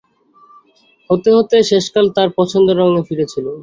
হতে হতে শেষকালে তাঁরও পছন্দর রঙ ফিরেছিল।